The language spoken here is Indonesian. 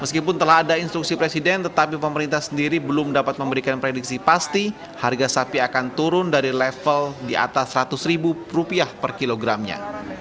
meskipun telah ada instruksi presiden tetapi pemerintah sendiri belum dapat memberikan prediksi pasti harga sapi akan turun dari level di atas seratus ribu rupiah per kilogramnya